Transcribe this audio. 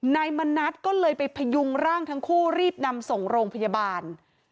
นายมณัฐก็เลยไปพยุงร่างทั้งคู่รีบนำส่งโรงพยาบาล